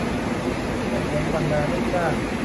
ไม่พ้นบรรดาลูกจ้าง